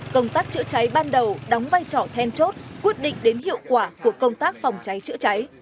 công tác chữa cháy ban đầu đóng vai trò then chốt quyết định đến hiệu quả của công tác phòng cháy chữa cháy